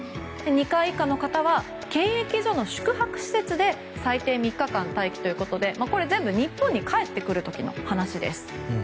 ２回以下の方は検疫所の宿泊施設で最低３日間待機ということでこれ全部、日本に帰ってくる時の話です。